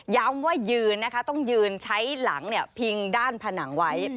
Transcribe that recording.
ว่ายืนนะคะต้องยืนใช้หลังพิงด้านผนังไว้